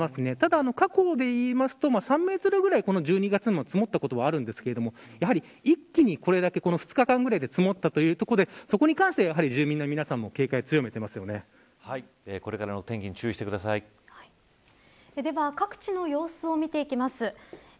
ただ、過去でいうと３メートルぐらいこの１２月も積もったことがありますが一気に、これだけ２日間でこれだけ積もったというところでそこに関して、住民の皆さんもこれからの天気にでは各地の様子を見ていきます。